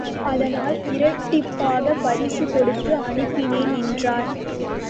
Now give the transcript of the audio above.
அதனால் இரட்டிப்பாகப் பரிசு கொடுத்து அனுப்பினேன் என்றார்.